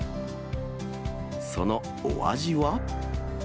そのお味は。